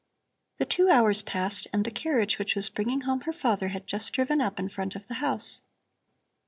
The two hours passed, and the carriage which was bringing home her father had just driven up in front of the house.